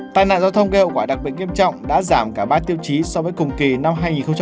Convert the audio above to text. tai nạn giao thông gây hậu quả đặc biệt nghiêm trọng đã giảm cả ba tiêu chí so với cùng kỳ năm hai nghìn một mươi chín